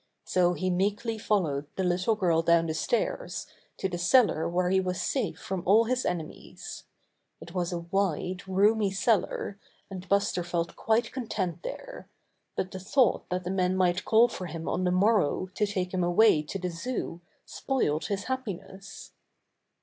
So he meekly followed the little girl down the stairs to the cellar where he was safe from all his enemies. It was a wide, roomy cellar, and Buster felt quite content there, but the thought that the men might call for him on the morrow to take him away to the Zoo spoilt his happiness.